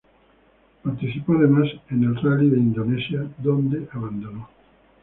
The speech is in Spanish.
Participó además en el Rally de Indonesia, donde abandonó.